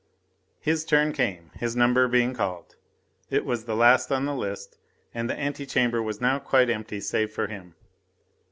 His turn came his number being called it was the last on the list, and the ante chamber was now quite empty save for him.